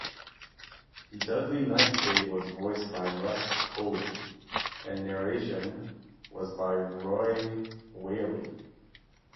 Dudley Nightshade was voiced by Russ Coughlan, and narration was by Roy Whaley.